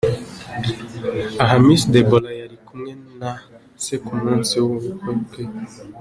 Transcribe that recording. Aha Miss Deborah yari kumwe na se ku munsi w’ubukwe bwe.